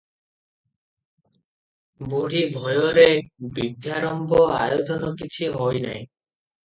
ବୁଢ଼ୀ ଭୟରେ ବିଧ୍ୟାରମ୍ଭର ଆୟୋଜନ କିଛି ହୋଇ ନାହିଁ ।